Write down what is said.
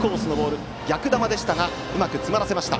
逆球でしたがうまく詰まらせました。